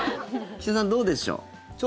岸田さん、どうでしょう。